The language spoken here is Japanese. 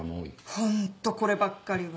ホントこればっかりは。